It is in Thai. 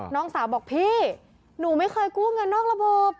น้องสาวบอกพี่หนูไม่เคยกู้เงินนอกระบบ